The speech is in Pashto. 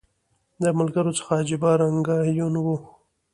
د ملګرو څه عجیبه رنګه یون و